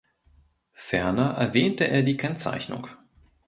Ferner erwähnte er die Kennzeichnung.